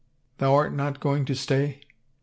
" Thou art not going to stay ?